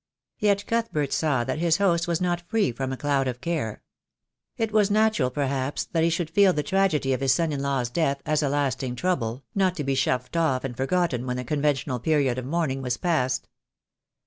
Yet Cuthbert saw that his host was not free from a cloud of care. It was natural, perhaps, that he should feel the tragedy of his son in law's death as a lasting trouble, not to be shuffled off and forgotten when the conventional period of mourning was past.